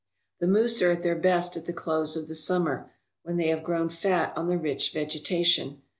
The moose are at their best at the close of the summer, when they have grown fat on the rich vegetation.